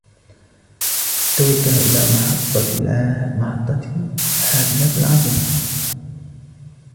توجه إلى محطة حافلات العاصمة.